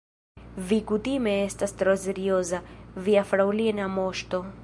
Vi kutime estas tro serioza, via fraŭlina moŝto.